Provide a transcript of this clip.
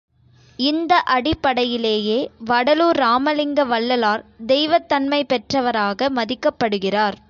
இந்த அடிப்படையிலேயே வடலூர் இராமலிங்க வள்ளலார் தெய்வத் தன்மை பெற்றவராக மதிக்கப்படுகிறார்.